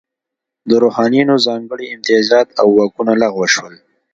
د روحانینو ځانګړي امتیازات او واکونه لغوه شول.